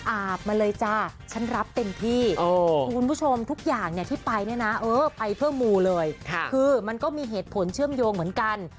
อาบมาเลยจ้าฉันรับเต็มที่คือคุณผู้ชมทุกอย่างเนี่ยที่ไปเนี่ยนะเออไปเพื่อมูเลยคือมันก็มีเหตุผลเชื่อมโยงเหมือนกัน